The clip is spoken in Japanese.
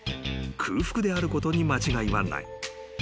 ［空腹であることに間違いはない］